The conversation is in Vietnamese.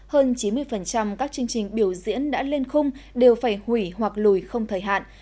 hơn chín mươi các chương trình biểu diễn đã lên khung đều phải hủy hoặc lùi không thời hạn